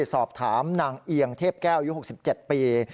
สอบถามนางเอียงเทพแก้วอายุ๖๗ปี